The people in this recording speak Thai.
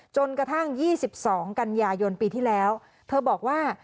จนกระทั่ง๒๒กันยายนปีที่แล้วเธอบอกว่า